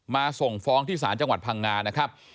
ส่งฟ้องที่ศาลจังหวัดพังงานะครับ